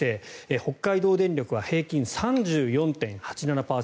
北海道電力は平均３４．８７％